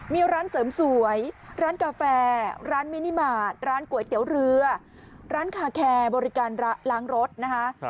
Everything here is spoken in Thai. มีร้านเสริมสวยร้านกาแฟร้านมินิมาตรร้านก๋วยเตี๋ยวเรือร้านคาแคร์บริการล้างรถนะคะ